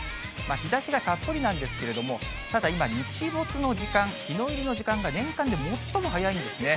日ざしがたっぷりなんですけれども、ただ、今、日没の時間、日の入りの時間が年間で最も早いんですね。